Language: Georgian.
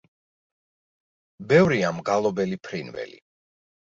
ბევრია მგალობელი ფრინველი.